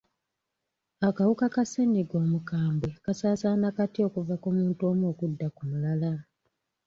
Akawuka ka ssenyiga omukambwe kasaasaana katya okuva ku muntu omu okudda ku mulala?